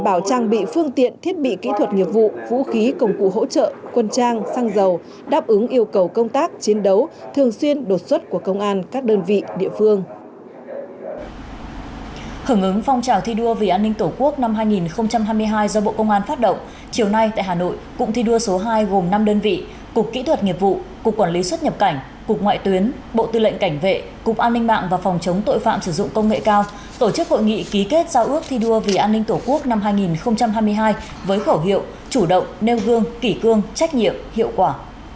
bộ tư lệnh cảnh vệ cục an ninh mạng và phòng chống tội phạm sử dụng công nghệ cao tổ chức hội nghị ký kết giao ước thi đua vì an ninh tổ quốc năm hai nghìn hai mươi hai với khẩu hiệu chủ động nêu gương kỷ cương trách nhiệm hiệu quả